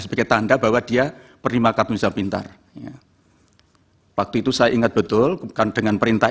sebagai tanda bahwa dia berima kartu indonesia pintar ya waktu itu saya ingat betul dengan perintah